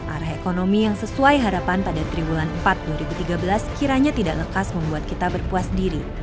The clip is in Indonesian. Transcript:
arah ekonomi yang sesuai harapan pada tribulan empat dua ribu tiga belas kiranya tidak lekas membuat kita berpuas diri